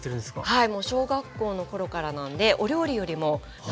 はい。